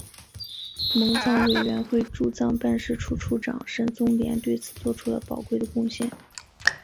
蒙藏委员会驻藏办事处处长沈宗濂对此作出了宝贵的贡献。